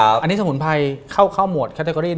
อันนี้สมุนไพรเข้าหมวด